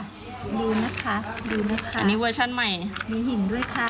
ดูนะค่ะดูนะค่ะอันนี้เวอร์ชันใหม่